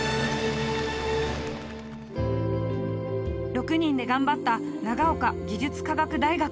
６人で頑張った長岡技術科学大学。